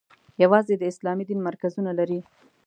یوازې د اسلامي دین مرکزونه لري.